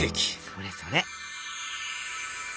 それそれ。